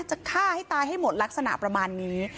จะฆ่าให้ตายให้หมดลักษณะประมาณนี้